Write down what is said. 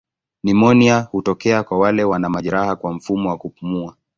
Nimonia hutokea kwa wale wana majeraha kwa mfumo wa kupumua.